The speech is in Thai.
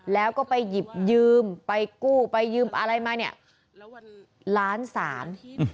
แล้วก็ไปหยิบยืมไปกู้ไปยืมอะไรมาเนี่ยล้านสาม